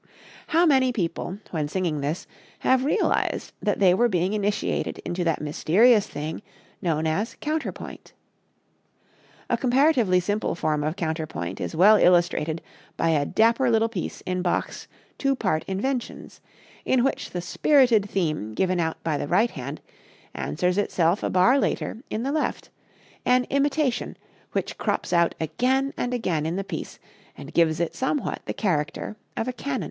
How many people, when singing this, have realized that they were being initiated into that mysterious thing known as counterpoint? A comparatively simple form of counterpoint is well illustrated by a dapper little piece in Bach's "Two Part Inventions," in which the spirited theme given out by the right hand answers itself a bar later in the left, an "imitation" which crops out again and again in the piece and gives it somewhat the character of a canon.